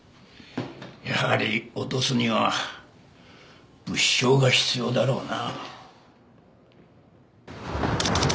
やはり落とすには物証が必要だろうな。